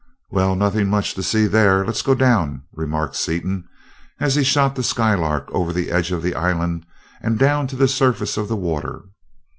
"Well, nothing much to see there let's go down," remarked Seaton as he shot the Skylark over to the edge of the island and down to the surface of the water.